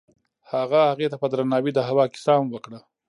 هغه هغې ته په درناوي د هوا کیسه هم وکړه.